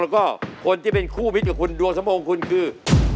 แล้วก็คนที่เป็นคู่มิตรกับคุณดวงสมพงษ์คุณคือ